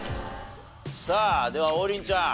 さあでは王林ちゃん。